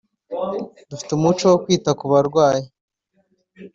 dufite umuco wo kwita ku barwayi